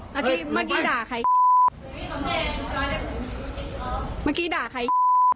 เมื่อกี้มันกี้ด่าใครมันกี้ด่าใคร